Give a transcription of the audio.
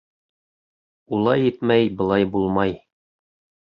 Улай итмәй былай булмай.